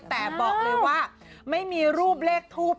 แต่บอกเลยว่าไม่มีรูปเลขทูป